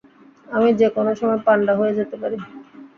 আমি যেকোনো সময় পান্ডা হয়ে যেতে পারি।